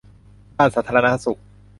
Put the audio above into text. ด้านสาธารณสุข